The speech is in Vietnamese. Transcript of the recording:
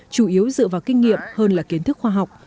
chủ yếu dựa vào kinh nghiệm hơn là kiến thức khoa học